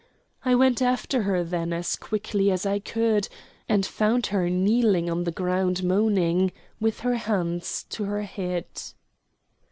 I went after her then, as quickly as I could, and found her kneeling on the ground moaning, with her hands to her head.